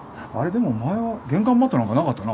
でも前は玄関マットなんかなかったな？